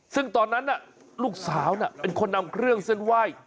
ซึ่งตอนนั้นลูกสาวเป็นคนนำเครื่องเส้นไหว้